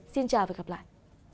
xin chào và hẹn gặp lại